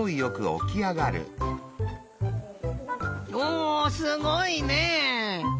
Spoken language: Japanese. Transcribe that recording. おすごいね！